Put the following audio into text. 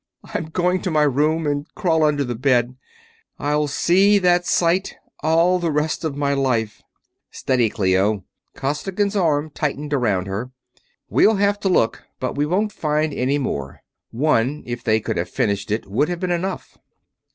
"I'm going to my room and crawl under the bed I'll see that sight all the rest of my life!" "Steady, Clio." Costigan's arm tightened around her. "We'll have to look, but we won't find any more. One if they could have finished it would have been enough."